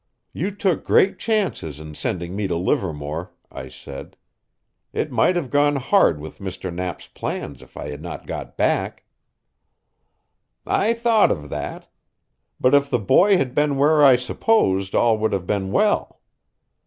"You took great chances in sending me to Livermore," I said. "It might have gone hard with Mr. Knapp's plans if I had not got back." "I thought of that. But if the boy had been where I supposed all would have been well.